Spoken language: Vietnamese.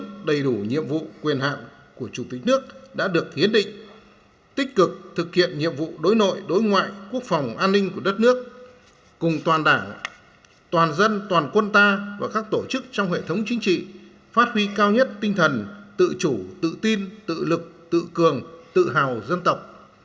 chủ tịch nước đầy đủ nhiệm vụ quyền hạng của chủ tịch nước đã được hiến định tích cực thực hiện nhiệm vụ đối nội đối ngoại quốc phòng an ninh của đất nước cùng toàn đảng toàn dân toàn quân ta và các tổ chức trong hệ thống chính trị phát huy cao nhất tinh thần tự chủ tự tin tự lực tự cường tự hào dân tộc